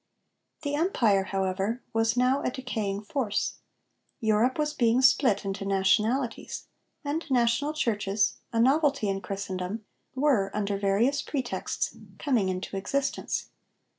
The Empire, however, was now a decaying force. Europe was being split into nationalities; and national churches a novelty in Christendom were, under various pretexts, coming into existence.